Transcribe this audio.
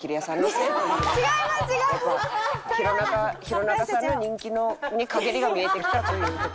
弘中さんの人気に陰りが見えてきたという事。